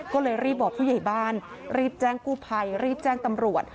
ก็เลยรีบบอกผู้ใหญ่บ้านรีบแจ้งกู้ภัยรีบแจ้งตำรวจ